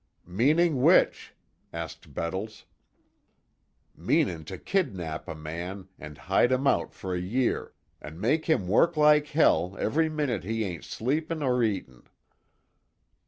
"Meanin' which?" asked Bettles. "Meanin' to kidnap a man, an' hide him out fer a year, an' make him work like hell every minute he ain't sleepin' or eatin'."